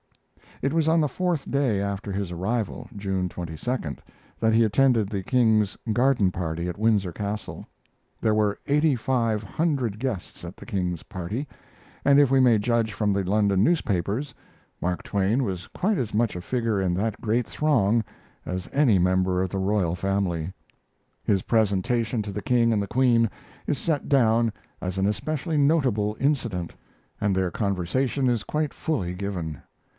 It was on the fourth day after his arrival, June 22d, that he attended the King's garden party at Windsor Castle. There were eighty five hundred guests at the King's party, and if we may judge from the London newspapers, Mark Twain was quite as much a figure in that great throng as any member of the royal family. His presentation to the King and the Queen is set down as an especially notable incident, and their conversation is quite fully given.